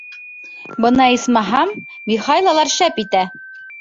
— Бына, исмаһам, Михайлалар шәп итә.